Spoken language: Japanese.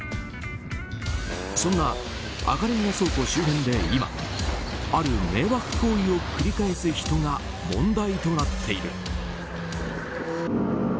そんな赤レンガ倉庫周辺で今ある迷惑行為を繰り返す人が問題となっている。